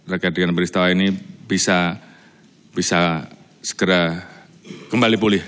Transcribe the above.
rakyat dprr ini bisa segera kembali pulih